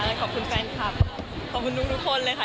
ขอบคุณแฟนคลับขอบคุณทุกคนเลยค่ะ